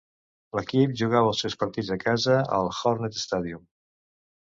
L'equip jugava els seus partits a casa al Hornet Stadium.